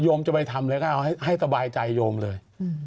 จะไปทำอะไรก็เอาให้สบายใจโยมเลย